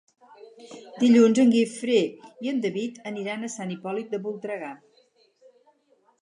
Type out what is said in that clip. Dilluns en Guifré i en David aniran a Sant Hipòlit de Voltregà.